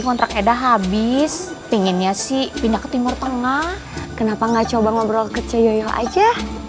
kontrak eda habis pinginnya sih pindah ke timur tengah kenapa nggak coba ngobrol ke ceyol aja